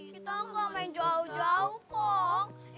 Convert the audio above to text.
kita ga main jauh jauh kong